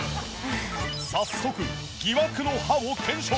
早速疑惑の歯を検証。